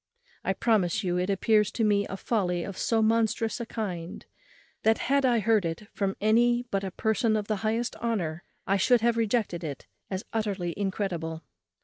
I promise you, it appears to me a folly of so monstrous a kind, that, had I heard it from any but a person of the highest honour, I should have rejected it as utterly incredible.